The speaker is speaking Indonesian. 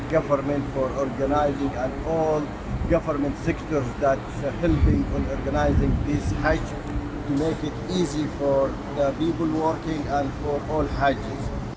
dalam mengorganisasi haji ini untuk membuatnya mudah bagi orang yang bekerja dan bagi semua haji